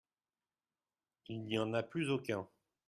Il n'y en a plus aucun.